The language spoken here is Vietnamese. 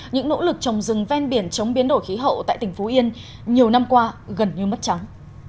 những nỗ lực trồng rừng ven biển chống biến đổi khí hậu tại tỉnh phú yên nhiều năm qua gần như mất trắng